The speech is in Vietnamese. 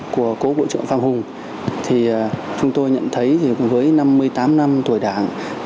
của bộ trưởng phạm hùng chúng tôi nhận thấy với năm mươi tám năm tuổi đảng